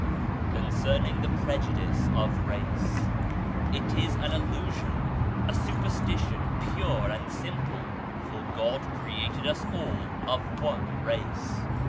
Concerning the prejudice of race : it is an illusion, a superstition pure and simple ! For God created us all of one race.